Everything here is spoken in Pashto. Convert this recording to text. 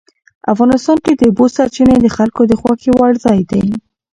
افغانستان کې د اوبو سرچینې د خلکو د خوښې وړ ځای دی.